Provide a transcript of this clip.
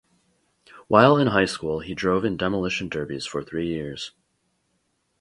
While in high school, he drove in demolition derbies for three years.